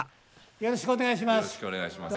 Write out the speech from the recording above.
よろしくお願いします。